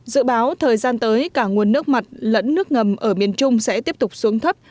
dự báo thời gian tới cả nguồn nước mặt lẫn nước ngầm ở miền trung sẽ tiếp tục xuống thấp